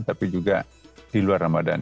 tapi juga di luar ramadan